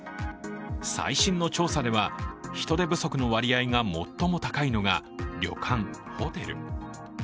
最新の調査では、人手不足の割合が最も高いのが旅館、ホテル。